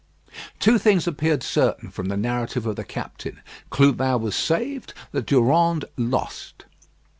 Two things appeared certain from the narrative of the captain: Clubin was saved, the Durande lost.